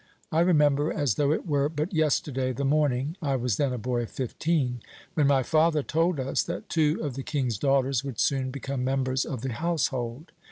I remember, as though it were but yesterday, the morning I was then a boy of fifteen when my father told us that two of the King's daughters would soon become members of the household.